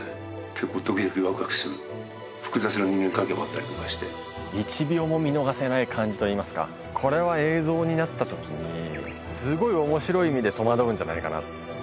結構ドキドキワクワクする複雑な人間関係もあったりとかして１秒も見逃せない感じといいますかこれは映像になったときにすごい面白い意味で戸惑うんじゃないかな